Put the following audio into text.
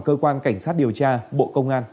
cơ quan cảnh sát điều tra bộ công an